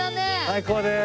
最高です。